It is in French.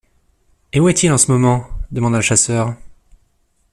Et où est il en ce moment? demanda le chasseur.